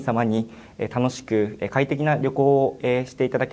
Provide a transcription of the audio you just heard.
bukan heran upaya terkembang